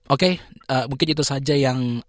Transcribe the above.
oke mungkin itu saja yang